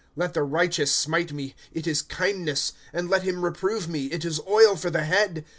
■^ Let the righteous smite me, it is kindness ; And let him reprove me, it is oil for the head.